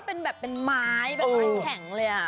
เป็นใหม่ไม้แข็งเลย